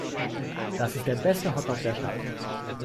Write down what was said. Das ist der beste Hotdog der Stadt.